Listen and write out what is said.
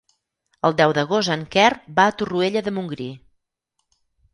El deu d'agost en Quer va a Torroella de Montgrí.